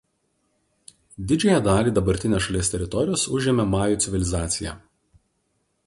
Didžiąją dali dabartinės šalies teritorijos užėmė Majų civilizacija.